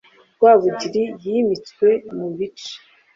Rwabugili yimitswe mu bice